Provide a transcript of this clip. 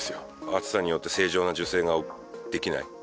暑さによって正常な受精ができない。